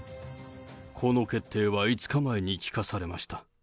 この決定は５日前に聞かされました。